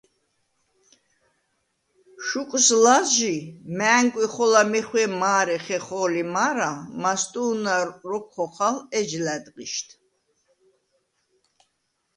შუკვს ლა̄ზჟი მა̄̈ნკვი ხოლა მეხვიე მა̄რე ხეხო̄ლი მა̄რა, მასტუ̄ნა̄ როქვ ხოხალ ეჯ ლა̈დღიშდ.